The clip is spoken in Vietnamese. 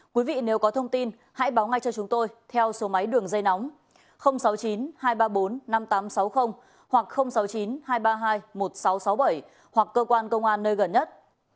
quý vị nếu có thông tin hãy báo ngay cho chúng tôi theo số máy đường dây nóng sáu mươi chín hai trăm ba mươi bốn năm nghìn tám trăm sáu mươi hoặc sáu mươi chín hai trăm ba mươi hai một nghìn sáu trăm sáu mươi bảy hoặc cơ quan công an nơi gần nhất